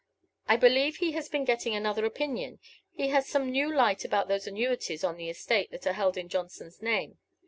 "I believe he has been getting another opinion; he has some new light about those annuities on the estate that are held in Johnson's name.